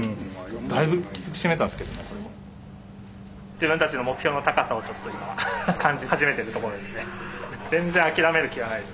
自分たちの目標の高さをちょっと今感じ始めてるところですね。